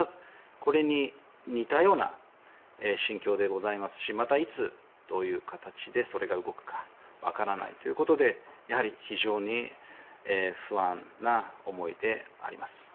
これに似たような心境でございますしまた、いつどういう形でそれが動くか分からないということで非常に不安な思いであります。